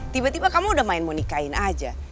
tiba tiba kamu udah main mau nikahin aja